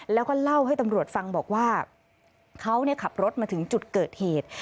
แล้วก็เล่าให้ตำรวจฟังบอกว่าเขาขับรถมาถึงจุดเกิดเหตุ